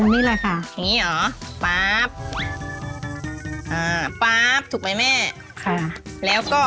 นี่เหรอป๊าบถูกมั้ยแม่ค่ะ